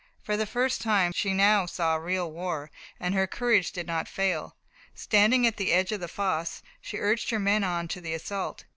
For the first time she now saw real war, and her courage did not fail. Standing at the edge of the fosse, she urged her men on to the assault.